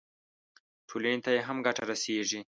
ټولنې ته یې هم ګټه رسېږي.